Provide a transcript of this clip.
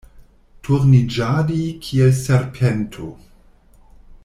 Turniĝadi kiel serpento.